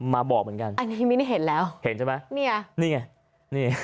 มาบอกเหมือนกันอันนี้มิ้นเห็นแล้วเห็นใช่ไหมเนี่ยนี่ไงนี่